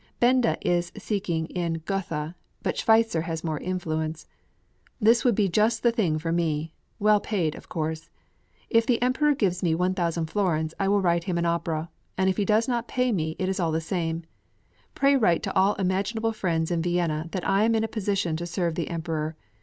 Benda is seeking in Gotha, but Schweitzer has more influence. This would be just the thing for me; well paid, of course. If the Emperor gives me 1,000 florins I will write him an opera, and if he does not pay me it is all the same. Pray write to all imaginable friends in Vienna that I am in a position to serve the Emperor.